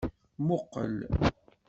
Muqel.